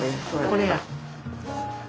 これや。